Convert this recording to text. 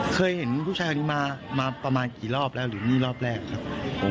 เคยเห็นผู้ชายคนนี้มาประมาณกี่รอบแล้วหรือนี่รอบแรกครับ